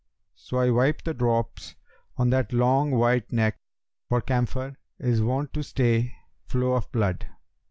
So I wiped the drops on that long white neck; * For camphor[FN#288] is wont to stay flow of blood.'